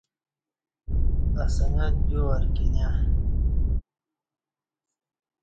اسنگہ دیو وار کنیہ